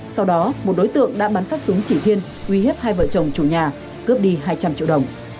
sau đó một đối tượng đã bắn phát súng chỉ thiên uy hiếp hai vợ chồng chủ nhà cướp đi hai trăm linh triệu đồng